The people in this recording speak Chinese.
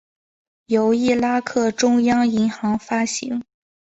由伊拉克中央银行发行。